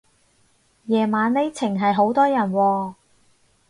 夜晚呢程係好多人喎